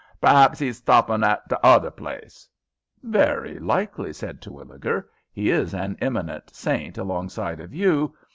Perhaps 'e's stoppin' at the hother place." "Very likely," said Terwilliger. "He is an eminent saint alongside of you.